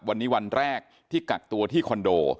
วันนี้วันแรกที่กักตัวที่คอนโด